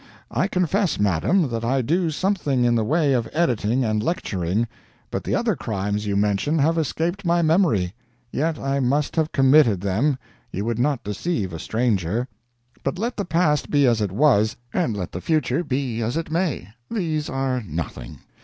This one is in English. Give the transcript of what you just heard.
I confess, madam, that I do something in the way of editing and lecturing, but the other crimes you mention have escaped my memory. Yet I must have committed them you would not deceive a stranger. But let the past be as it was, and let the future be as it may these are nothing.